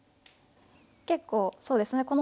結構そうですね